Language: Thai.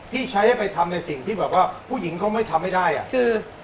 ที่ใช้ให้ไปทำในสิ่งที่แบบว่าผู้หญิงเขาไม่ทำให้ได้อ่ะคือ